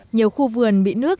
nhiều khu vườn bị nước